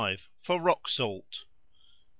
For rock salt. 86.